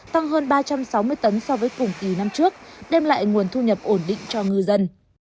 tăng hơn ba trăm sáu mươi tấn so với cùng kỳ năm trước đem lại nguồn thu nhập ổn định cho ngư dân